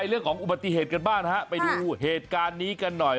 อุบัติเหตุกันบ้างไปดูเหตุการณ์นี้กันหน่อย